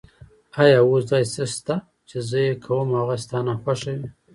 آیا اوس داسې څه شته چې زه یې کوم او هغه ستا ناخوښه وي؟